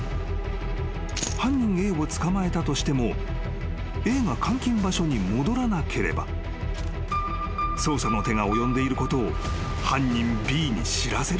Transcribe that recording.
［犯人Ａを捕まえたとしてもＡが監禁場所に戻らなければ捜査の手が及んでいることを犯人Ｂに知らせることになる］